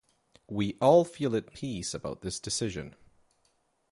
We all feel at peace about this decision.